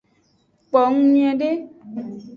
Kpo nyuiede.